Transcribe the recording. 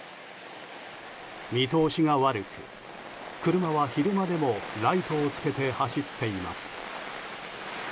見通しが悪く、車は昼間でもライトをつけて走っています。